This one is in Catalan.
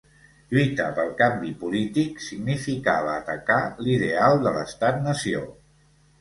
Lluitar pel canvi polític significava atacar l'ideal de l'estat nació.